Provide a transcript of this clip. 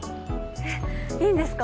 えっいいんですか？